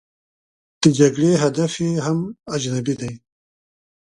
د جګړې هدف یې هم اجنبي دی.